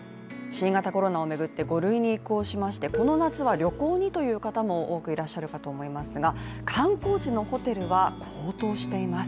新型コロナを巡って５類に移行しましてこの夏は旅行にという方も多くいらっしゃるかと思いますが、観光地のホテルは高騰しています。